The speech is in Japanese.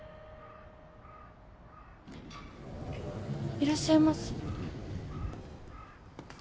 いらっしゃいませ。